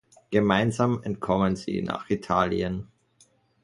Gemeinsam entkommen sie nach Italien.